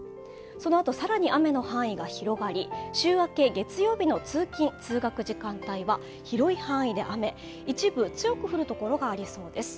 そのあと更に雨の範囲が広がり週明け、月曜日の通勤・通学時間帯は広い範囲で雨、一部強く降る所がありそうです。